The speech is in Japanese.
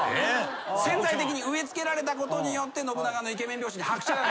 潜在的に植え付けられたことによって信長のイケメン描写に拍車がかかった。